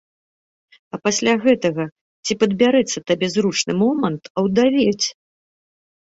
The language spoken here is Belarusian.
А пасля гэтага ці падбярэцца табе зручны момант аўдавець?